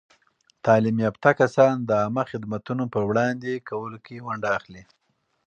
تعلیم یافته کسان د عامه خدمتونو په وړاندې کولو کې ونډه اخلي.